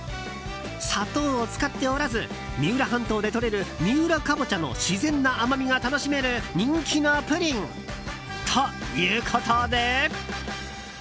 砂糖を使っておらず三浦半島でとれる三浦かぼちゃの自然な甘みが楽しめる人気のプリンということで。